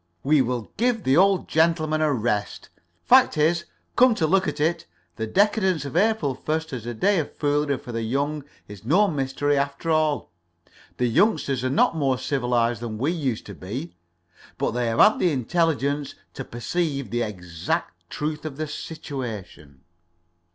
We will give the old gentleman a rest!' Fact is, come to look at it, the decadence of April 1st as a day of foolery for the young is no mystery, after all. The youngsters are not more civilized than we used to be, but they have had the intelligence to perceive the exact truth of the situation."